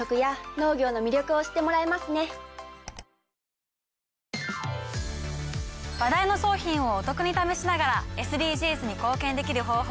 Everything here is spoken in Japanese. ニトリ話題の商品をお得に試しながらＳＤＧｓに貢献できる方法